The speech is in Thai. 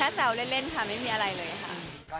แค่แซวเล่นฐะไม่มีอะไรเลยคะ